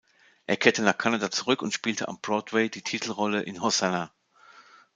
Er kehrte nach Kanada zurück und spielte am Broadway die Titelrolle in "Hosanna".